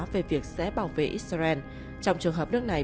về việc sẽ bảo vệ israel trong trường hợp nước này